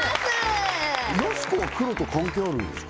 やす子は黒と関係あるんですか？